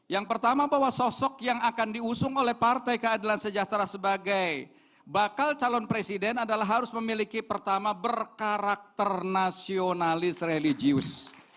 yang pertama bahwa sosok yang akan diusung oleh partai keadilan sejahtera sebagai bakal calon presiden adalah harus memiliki pertama berkarakter nasionalis religius